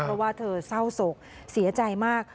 เพราะว่าเธอเศร้าโศกเสียใจมาก